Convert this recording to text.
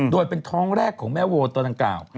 โดยเป็นท้องแรกของแม่วัวตัวดังกล่าว